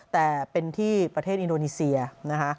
แต่เป็นที่ประเทศอินโดนีเซียนะคะ